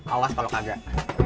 awas kalau kagak